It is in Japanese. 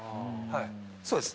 そうです。